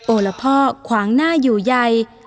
ละพ่อขวางหน้าอยู่ใย